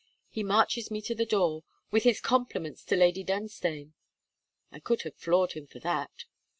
He marches me to the door, "with his compliments to Lady Dunstane." I could have floored him for that.